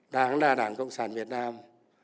đảng là đảng cộng sản việt nam